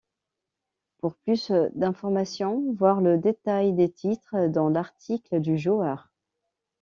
Pour plus d'information, voir le détail des titres dans l'article du joueur.